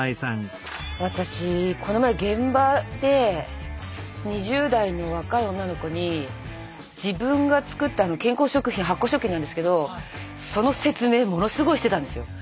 私この前現場で２０代の若い女の子に自分が作った健康食品発酵食品なんですけどその説明ものすごいしてたんですよ。